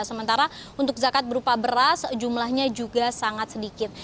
sementara untuk zakat berupa beras jumlahnya juga sangat sedikit